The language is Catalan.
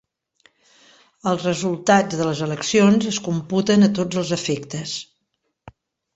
Els resultats de les eleccions es computen a tots els efectes.